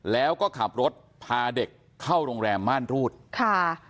แล้วก็ขับรถพาเด็กเข้าโรงแรมม่านรูดค่ะ